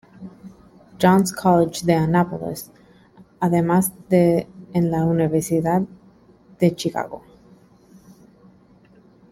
John's College de Annapolis, además de en la Universidad de Chicago.